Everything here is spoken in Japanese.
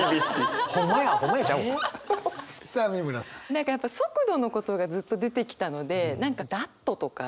何か速度のことがずっと出てきたので何か「脱兎」とか。